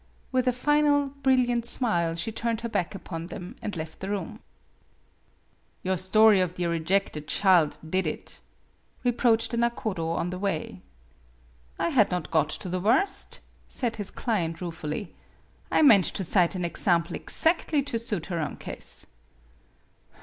" With a final brilliant smile she turned her back upon them and left the room. MADAME BUTTERFLY 45 "YouR story of the rejected child did it," reproached the nakodo, on the way. "I had not got to the worst," said his client, ruefully. " I meant to cite an exam ple exactly to suit her own case."